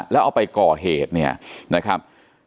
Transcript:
แล้วเอาไปก่อเหตุเนี่ยนะครับ